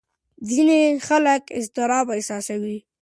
ځینې خلک اضطراب احساسوي.